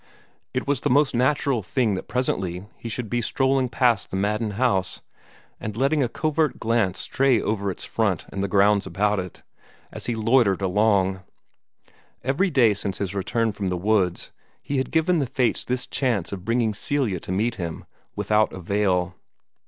It was the most natural thing that presently he should be strolling past the Madden house, and letting a covert glance stray over its front and the grounds about it, as he loitered along. Every day since his return from the woods he had given the fates this chance of bringing Celia to meet him, without avail.